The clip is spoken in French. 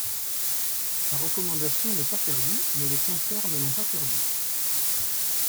Sa recommandation n'est pas perdue, mais les concerts ne l'ont pas perdue.